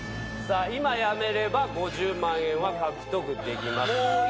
今やめれば５０万円は獲得できますが。